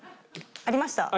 ありました。